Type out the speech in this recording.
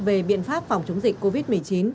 về biện pháp phòng chống dịch covid một mươi chín